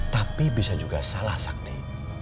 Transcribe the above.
tapi bisa juga salah sakti